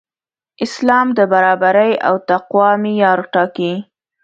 اسلام د برابرۍ او تقوی معیار ټاکي.